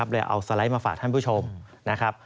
เลยเอาสไลด์มาฝากท่านผู้ชมนะครับ